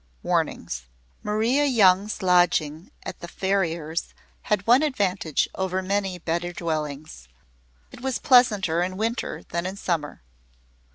WARNINGS. Maria Young's lodging at the farrier's had one advantage over many better dwellings; it was pleasanter in Winter than in Summer.